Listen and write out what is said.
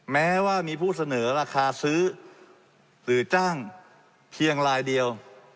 แม้ว่ามีผู้เสนอราคาซื้อหรือจ้างเพียงลายเดียว